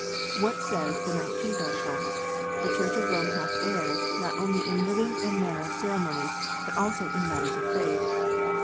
What says the Nineteenth Article? "The Church of Rome hath erred, not only in living and manner of ceremonies, but also in matters of faith."